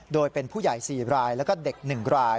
โดยเป็นผู้ใหญ่๔รายแล้วก็เด็ก๑ราย